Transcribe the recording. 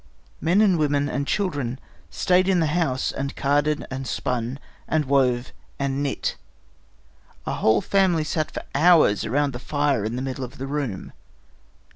Men and women and children stayed in the house and carded and spun and wove and knit. A whole family sat for hours around the fire in the middle of the room.